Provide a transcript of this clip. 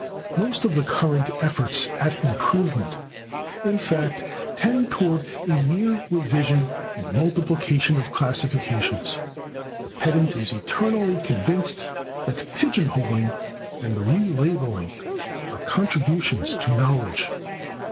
" Most of the current efforts at improvement, in fact, tend toward a mere revision and multiplication of classifications; the pedant is eternally convinced that pigeon holing and relabelling are contributions to knowledge.